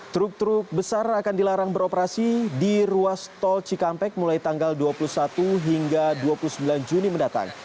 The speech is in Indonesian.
truk truk besar akan dilarang beroperasi di ruas tol cikampek mulai tanggal dua puluh satu hingga dua puluh sembilan juni mendatang